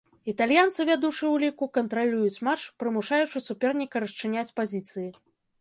Італьянцы, вядучы ў ліку, кантралююць матч, прымушаючы суперніка расчыняць пазіцыі.